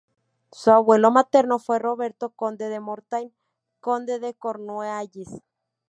Su abuelo materno fue Roberto, conde de Mortain, conde de Cornualles.